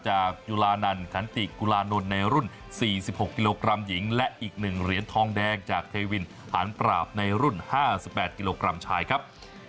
จุลานันขันติกุลานนท์ในรุ่น๔๖กิโลกรัมหญิงและอีก๑เหรียญทองแดงจากเทวินหานปราบในรุ่น๕๘กิโลกรัมชายครับ